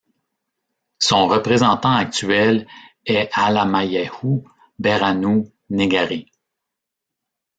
Son représentant actuel est Alemayehu Berhanu Negari.